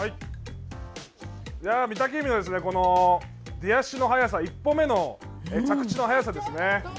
御嶽海のこの出足の速さ一歩目の着地の速さですね。